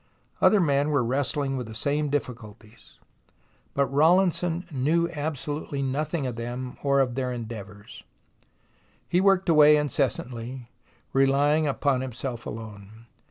Other men were wrestling with THE ROMANCE OF EXCAVATION 115 the same difficulties, but Rawlinson knew abso lutely nothing of them or their endeavours. He worked away incessantly, relying upon himself alone.